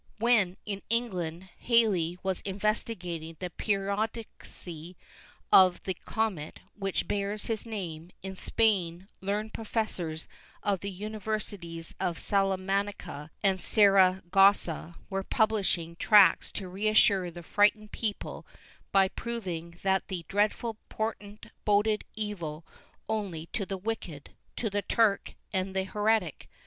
When, in England, Halley was investigating the periodicity of the comet which bears his name, in Spain learned professors of the universities of Salamanca and Saragossa were publishing tracts to reassure the frightened people, by proving that the dreadful portent boded evil only to the wicked — to the Turk and the heretic.